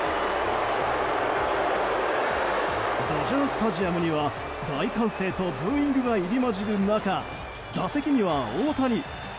ドジャースタジアムには大歓声とブーイングが入り混じる中打席には大谷。